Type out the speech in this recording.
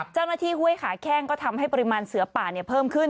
เจ้าหน้าที่ห้วยขาแก้งก็ทำให้ปริมาณเสือป่าเพิ่มขึ้น